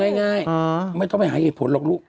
ง่ายไม่ต้องไปหาเหตุผลหรอกลูก